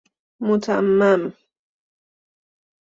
متمم